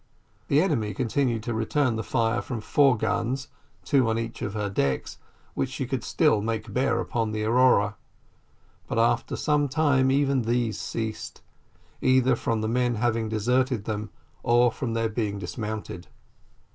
The enemy continued to return the fire from four guns, two on each of her decks, which she could still make bear upon the Aurora; but after some time even these ceased, either from the men having deserted them, or from their being dismounted.